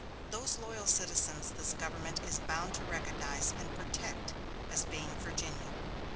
Those loyal citizens this government is bound to recognize and protect, as being Virginia."